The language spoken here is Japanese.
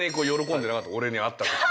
俺に会ったときも。